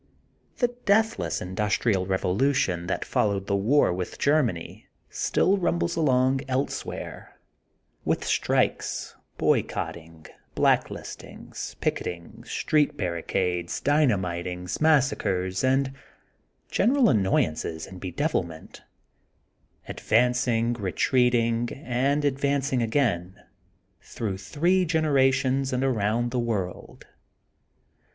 The deathless industrial revolution that followed the war with GermaQy still rumbles 96 THE GOLDEN BOOK OF SPRINGFIELD along elsewhere, with strikes, boycotting, blacklistings, picketings, street barricades, dynamitings, massacres, and general annoy ances and bedevilment :— ^advancing, retreat ing, and advancing again, through three gen r erations and around the world.